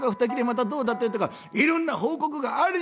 またどうだったよとかいろんな報告がある」。